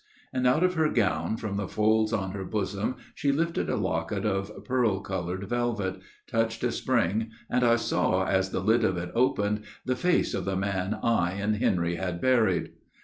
And out of her gown, from the folds on her bosom, She lifted a locket of pearl colored velvet, Touched a spring, and I saw, as the lid of it opened, The face of the man I and Henry had buried!